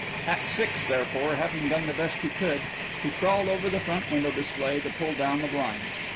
At six, therefore, having done the best he could, he crawled over the front window display to pull down the blind.